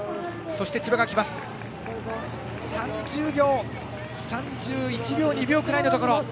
千葉は３１秒３２秒くらいのところ。